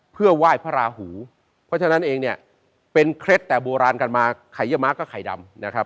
เพื่อไหว้พระราหูเพราะฉะนั้นเองเนี่ยเป็นเคล็ดแต่โบราณกันมาไข่เยอร์ม้าก็ไข่ดำนะครับ